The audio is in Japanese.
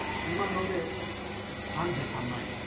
今ので３３万円。